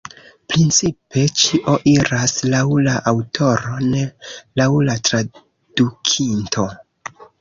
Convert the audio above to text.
Principe ĉio iras laŭ la aŭtoro, ne laŭ la tradukinto.